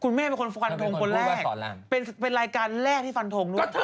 คุณแม่เป็นคนฟันธงคนแรกเป็นรายการแรกที่ฟันธง